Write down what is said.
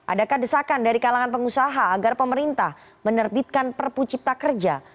adakah desakan dari kalangan pengusaha agar pemerintah menerbitkan prp cipta kerja